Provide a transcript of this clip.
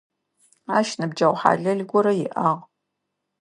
Ащ ныбджэгъу хьалэл горэ иӏагъ.